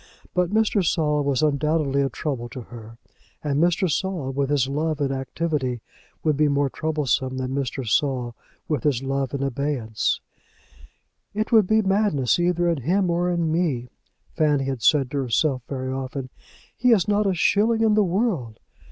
But Mr. Saul was undoubtedly a trouble to her; and Mr. Saul with his love in activity would be more troublesome than Mr. Saul with his love in abeyance. "It would be madness either in him or in me," Fanny had said to herself very often; "he has not a shilling in the world."